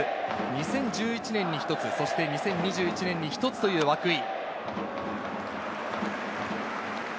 ２０１１年に１つ、そして２０２１年に１つという涌井。